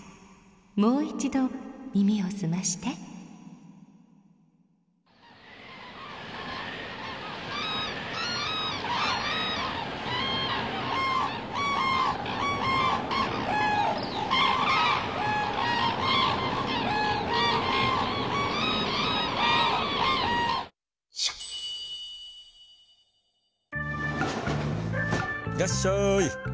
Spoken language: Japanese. もういちど耳を澄ましていらっしゃい。